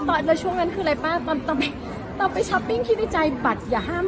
แล้วช่วงนั้นคืออะไรป่าต่อไปต่อไปคิดในใจบรรดิอย่าห้าม